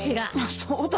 そうだね。